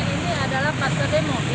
ini adalah pasar demo